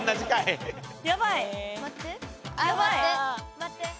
待って。